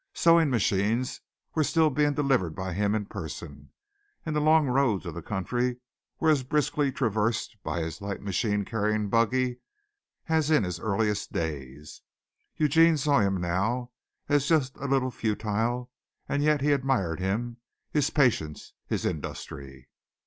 Sewing machines were still being delivered by him in person, and the long roads of the country were as briskly traversed by his light machine carrying buggy as in his earliest days. Eugene saw him now as just a little futile, and yet he admired him, his patience, his industry.